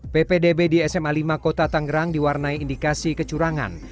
ppdb di sma lima kota tangerang diwarnai indikasi kecurangan